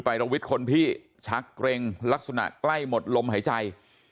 ระวิทย์คนพี่ชักเกร็งลักษณะใกล้หมดลมหายใจ